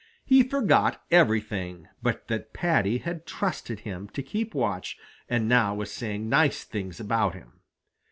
He forgot everything but that Paddy had trusted him to keep watch and now was saying nice things about him.